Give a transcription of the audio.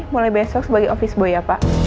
mulai besok sebagai office boy ya pak